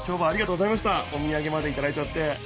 おみやげまでいただいちゃって。